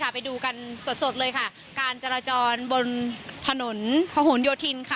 ไปดูกันสดสดเลยค่ะการจราจรบนถนนพะหนโยธินค่ะ